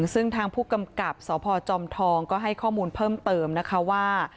ซึ่งทางผู้กำกับสพจอมทองก็ให้ข้อมูลเพิ่มเติมนะคะว่า